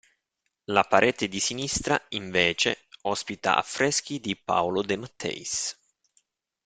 La parete di sinistra, invece, ospita affreschi di Paolo De Matteis.